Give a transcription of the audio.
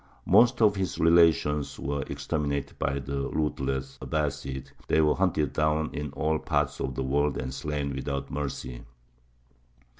Most of his relations were exterminated by the ruthless Abbāside; they were hunted down in all parts of the world and slain without mercy.